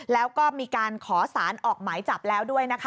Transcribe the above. แล้วก็มีการขอสารออกหมายจับแล้วด้วยนะคะ